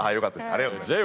ありがとうございます。